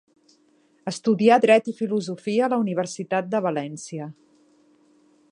Estudià dret i filosofia a la Universitat de València.